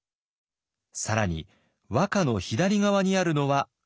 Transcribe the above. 更に和歌の左側にあるのは漢詩。